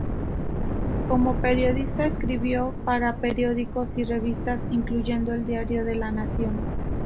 Como periodista escribió para periódicos y revistas, incluyendo el diario La Nación.